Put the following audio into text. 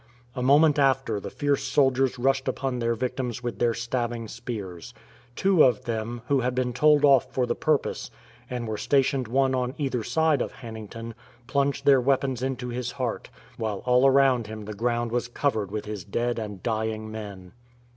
A moment after the fierce soldiers rushed upon their victims with their stabbing spears. Two of them, who had been told off for the purpose and were stationed one on either side of Hannington, plunged their weapons into his heart, while all around him the ground was covered with his dead and dying men.